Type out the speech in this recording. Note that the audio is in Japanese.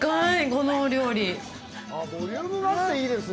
このお料理。